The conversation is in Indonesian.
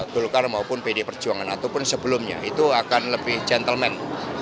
golkar maupun pd perjuangan ataupun sebelumnya itu akan lebih gentleman